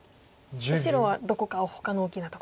白はどこかほかの大きなところに。